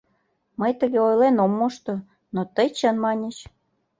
— Мый тыге ойлен ом мошто, но тый чын маньыч.